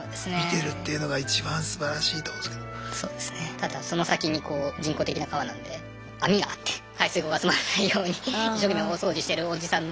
ただその先に人工的な川なんで網があって排水口が詰まらないように一生懸命大掃除してるおじさんの。